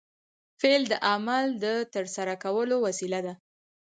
فعل د عمل د ترسره کولو وسیله ده.